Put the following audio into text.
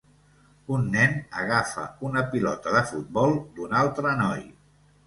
Un nen agafa una pilota de futbol d'un altre noi